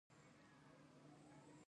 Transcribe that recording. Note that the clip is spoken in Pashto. سرحدونه د افغان کلتور سره تړاو لري.